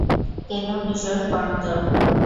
যেন কিশোর কন্দর্প!